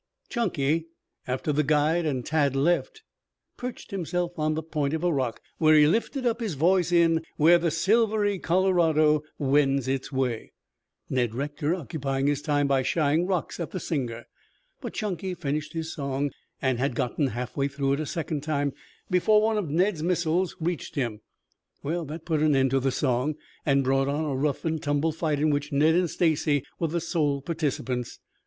Chunky, after the guide and Tad had left, perched himself on the point of a rock where he lifted up his voice in "Where the Silvery Colorado Wends Its Way," Ned Rector occupying his time by shying rocks at the singer, but Chunky finished his song and had gotten half way through it a second time before one of Ned's missiles reached him. That put an end to the song and brought on a rough and tumble fight in which Ned and Stacy were the sole participants.